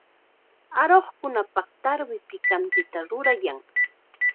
Aruqkunapaq tarwi pikantita rurayan.